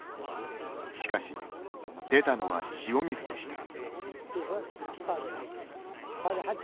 しかし、出たのは塩水でした。